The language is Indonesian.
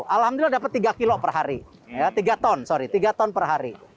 alhamdulillah dapat tiga ton per hari